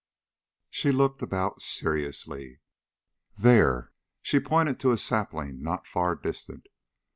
She looked about seriously. "There." She pointed to a sapling not far distant.